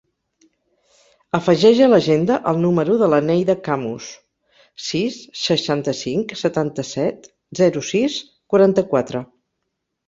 Afegeix a l'agenda el número de la Neida Camus: sis, seixanta-cinc, setanta-set, zero, sis, quaranta-quatre.